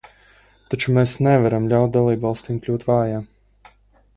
Taču mēs nevaram ļaut dalībvalstīm kļūt vājām.